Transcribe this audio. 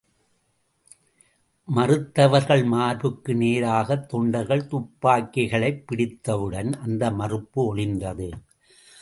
மறுத்தவர்கள் மார்புக்கு நேராகத் தொண்டர்கள் துப்பாக்கிகளைப் பிடித்தவுடன், அந்த மறுப்பும் ஒழிந்தது.